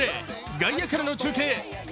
外野からの中継。